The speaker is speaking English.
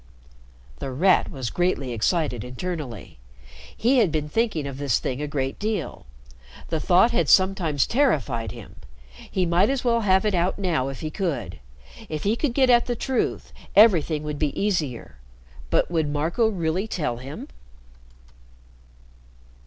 The Rat was greatly excited internally. He had been thinking of this thing a great deal. The thought had sometimes terrified him. He might as well have it out now if he could. If he could get at the truth, everything would be easier. But would Marco really tell him?